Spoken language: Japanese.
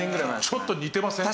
ちょっと似てません？